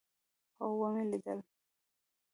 هو ومې لېد.